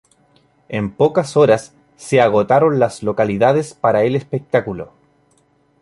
En pocas horas se agotaron las localidades para el espectáculo.